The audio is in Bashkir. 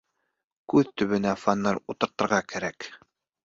— Күҙ төбөнә фонарь ултыртырға кәрәк!